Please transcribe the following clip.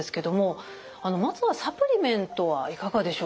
まずはサプリメントはいかがでしょうか？